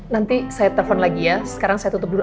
nanti saya telepon lagi ya sekarang saya tutup dulu